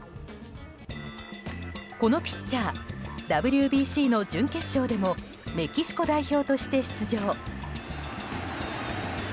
このピッチャーＷＢＣの準決勝でもメキシコ代表として出場。